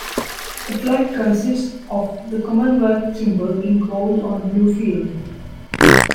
The flag consists of the Commonwealth symbol in gold on a blue field.